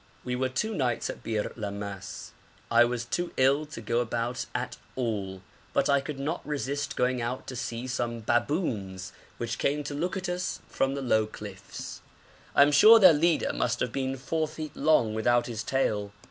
We were two nights at Bir Lammas. I was too ill to go about at all, but I could not resist going out to see some baboons which came to look at us from the low cliffs. I am sure their leader must have been 4 feet long without his tail.